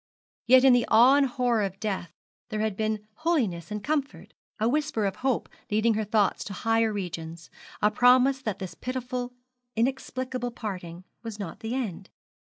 Yet in the awe and horror of death there had been holiness and comfort, a whisper of hope leading her thoughts to higher regions, a promise that this pitiful, inexplicable parting was not the end.